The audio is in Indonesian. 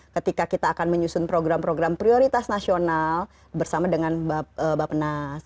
ketika kita akan menyusun program program prioritas nasional bersama dengan bapak nas